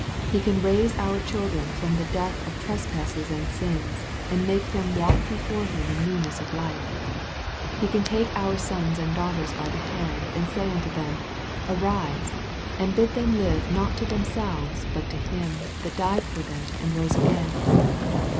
He can raise our children from the death of trespasses and sins, and make them walk before Him in newness of life He can take our 5* 106 EXPOSITORY THOUGHTS. eons and dangl ters by the hand, and say to them, " arise," and bid them live not to themselves, but to Him that died for them and rose again.